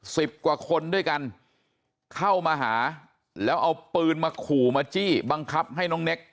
สิบกว่าคนด้วยกันเข้ามาหาแล้วเอาปืนมาขู่มาจี้